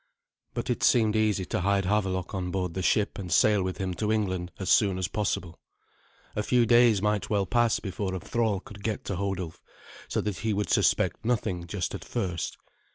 But it seemed easy to hide Havelok on board the ship, and sail with him to England as soon as possible. A few days might well pass before a thrall could get to Hodulf, so that he would suspect nothing just at first.